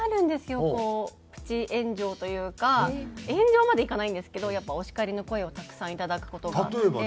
炎上までいかないんですけどやっぱお叱りの声をたくさんいただく事があって。